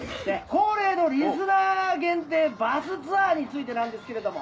「恒例のリスナー限定バスツアーについてなんですけれども」